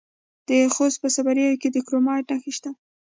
د خوست په صبریو کې د کرومایټ نښې شته.